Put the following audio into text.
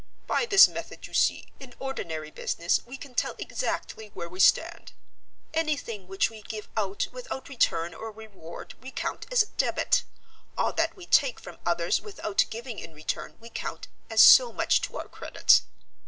By this method, you see, in ordinary business we can tell exactly where we stand: anything which we give out without return or reward we count as a debit; all that we take from others without giving in return we count as so much to our credit."